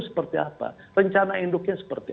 seperti apa rencana induknya seperti